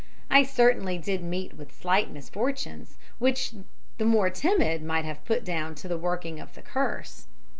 "I certainly did meet with slight misfortunes, which the more timid might have put down to the working of the curse.